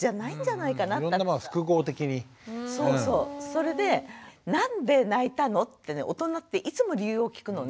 それで「なんで泣いたの？」って大人っていつも理由を聞くのね。